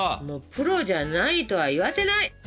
もうプロじゃないとは言わせない！